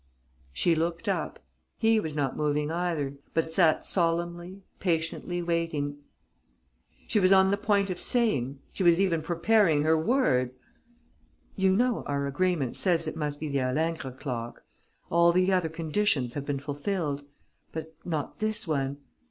She looked up. He was not moving either, but sat solemnly, patiently waiting. She was on the point of saying, she was even preparing her words: "You know, our agreement says it must be the Halingre clock. All the other conditions have been fulfilled ... but not this one.